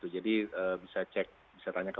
jadi bisa cek bisa tanya ke